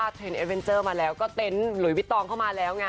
เทรนดเอสเวนเจอร์มาแล้วก็เต็นต์หลุยวิตตองเข้ามาแล้วไง